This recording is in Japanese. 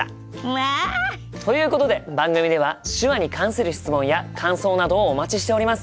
まあ！ということで番組では手話に関する質問や感想などをお待ちしております。